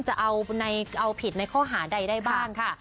จะเอาผิดในข้อหาใดได้บ้างค่ะ